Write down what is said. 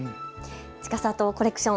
ちかさとコレクション。